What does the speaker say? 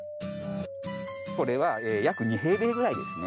これは約２平米ぐらいですね。